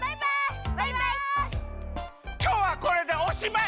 きょうはこれでおしまい！